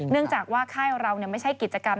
เนื่องจากว่าค่ายเราไม่ใช่กิจกรรม